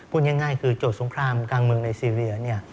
พูดง่ายคือโจทย์สงครามกลางเมืองในซีเรียเนี่ย